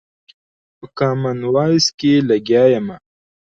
په کامن وايس کښې لګيا ىمه